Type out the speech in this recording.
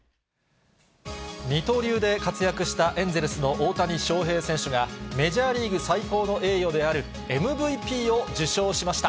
二刀流で活躍したエンゼルスの大谷翔平選手が、メジャーリーグ最高の栄誉であるＭＶＰを受賞しました。